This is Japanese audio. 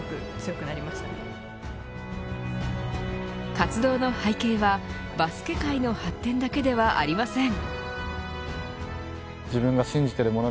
活動の背景はバスケ界の発展だけではありません。